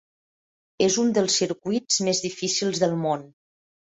És un dels circuits més difícils del món.